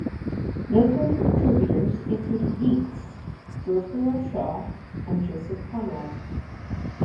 Noteworthy contributors included Yeats, George Bernard Shaw, and Joseph Conrad.